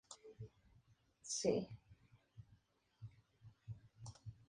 Allí Los Teros debutan con un claro triunfo sobre España.